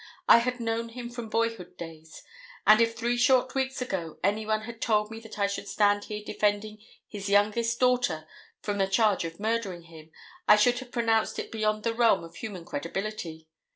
I had known him from boyhood days, and if three short weeks ago any one had told me that I should stand here defending his youngest daughter from the charge of murdering him, I should have pronounced it beyond the realm of human credibility.